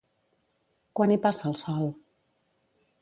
Quan hi passa el sol?